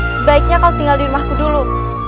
sebaiknya kau tinggal di rumahku dulu